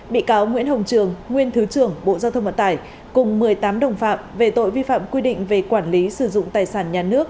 bị cáo nguyễn hồng trường nguyên thứ trưởng bộ giao thông vận tải cùng một mươi tám đồng phạm về tội vi phạm quy định về quản lý sử dụng tài sản nhà nước